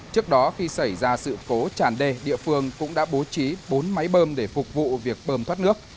trước đó khi xảy ra sự cố tràn đê địa phương cũng đã bố trí bốn máy bơm để phục vụ việc bơm thoát nước